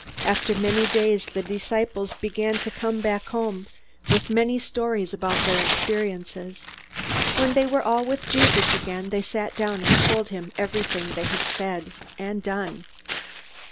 After many days the disciples began to come back home, with many stories about their experiences. When they were all with Jesus again, they sat down and told him everything they had said and done.